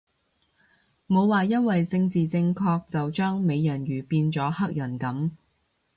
冇話因為政治正確就將美人魚變咗黑人噉